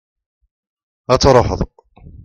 ad truḥeḍ